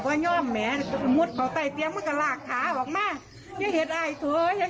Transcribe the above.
พวกมันลองเว่ยมันกระเป็นตั้งเนียมันกระลากค้าออกมาเย็นไอถั่วเย็นไอถั่วเย็นไอ